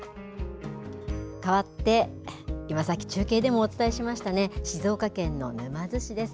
かわって今、さっき中継でもお伝えしましたね、静岡県の沼津市です。